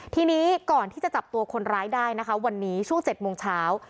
ทีนี้เจอคนร้ายใจวันนี้ช่วง๗โมงเช้า